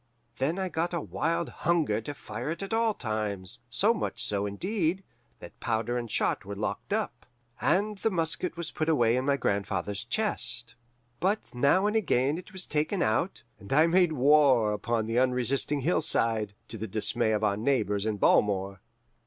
Then I got a wild hunger to fire it at all times; so much so, indeed, that powder and shot were locked up, and the musket was put away in my grandfather's chest. But now and again it was taken out, and I made war upon the unresisting hillside, to the dismay of our neighbours in Balmore.